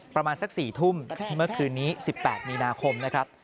ประมาณสัก๔ทุ่มเมื่อคืนนี้๑๘มีนาคมนะครับ